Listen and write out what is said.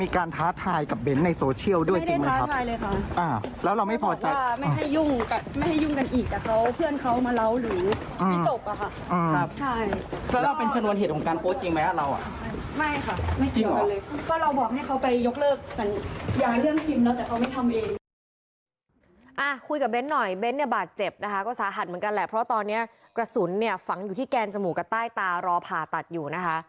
คุยกับเบ้นหน่อยเบ้นเนี่ยบาดเจ็บนะคะก็สาหัสเหมือนกันแหละเพราะตอนนี้กระสุนเนี่ยฝังอยู่ที่แกนจมูกกับใต้ตารอผ่าตัดอยู่นะคะ